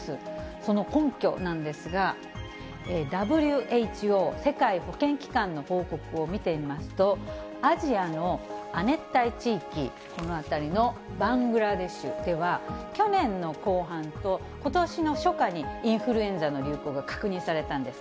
その根拠なんですが、ＷＨＯ・世界保健機関の報告を見てみますと、アジアの亜熱帯地域、この辺りのバングラデシュでは、去年の後半とことしの初夏にインフルエンザの流行が確認されたんです。